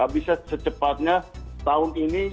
bisa secepatnya tahun ini